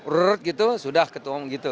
rrrrr gitu sudah ketong gitu